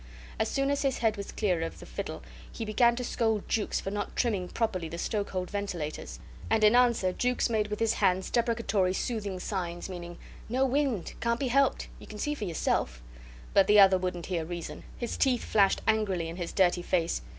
As soon as his head was clear of the fiddle he began to scold Jukes for not trimming properly the stokehold ventilators; and in answer Jukes made with his hands deprecatory soothing signs meaning: "No wind can't be helped you can see for yourself." But the other wouldn't hear reason. His teeth flashed angrily in his dirty face.